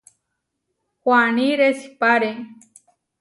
Huaní resipáre.